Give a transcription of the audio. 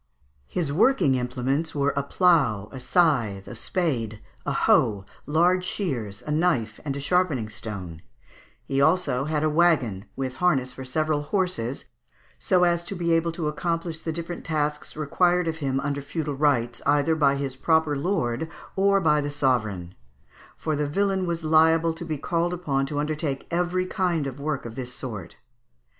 ] His working implements were a plough, a scythe, a spade, a hoe, large shears, a knife and a sharpening stone; he had also a waggon, with harness for several horses, so as to be able to accomplish the different tasks required of him under feudal rights, either by his proper lord, or by the sovereign; for the villain was liable to be called upon to undertake every kind of work of this sort.